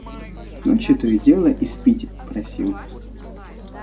Ночью то и дело испить просил.